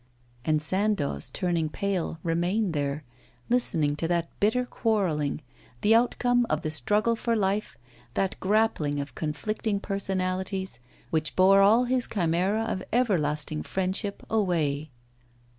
And Sandoz, turning pale, remained there, listening to that bitter quarrelling, the outcome of the struggle for life, that grappling of conflicting personalities, which bore all his chimera of everlasting friendship away.